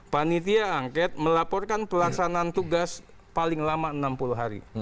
panitia angket melaporkan pelaksanaan tugas paling lama enam puluh hari